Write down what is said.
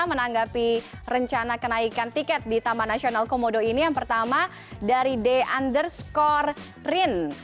menanggapi rencana kenaikan tiket di taman nasional komodo ini yang pertama dari d underscore rin